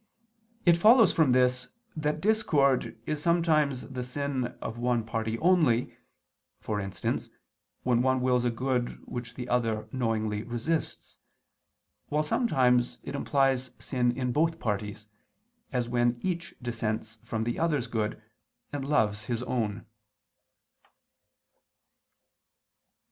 It follows from this that discord is sometimes the sin of one party only, for instance, when one wills a good which the other knowingly resists; while sometimes it implies sin in both parties, as when each dissents from the other's good, and loves his own.